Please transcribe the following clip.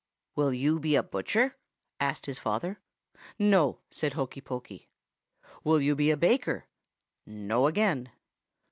"'Will you be a butcher?' asked his father. "'No,' said Hokey Pokey. "'Will you be a baker?' "'No, again.